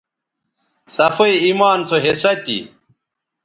صفائ ایمان سو حصہ تھی